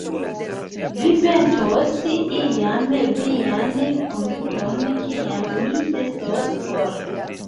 Vi pentos iam vian konduton, kiam mi estos for!